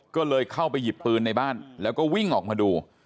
ก็เลยเข้าไปหยิบปืนในบ้านแล้วก็วิ่งออกมาดู